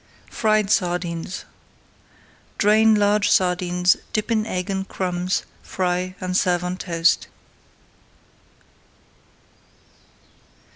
FRIED SARDINES Drain large sardines, dip in egg and crumbs, fry, and serve on toast.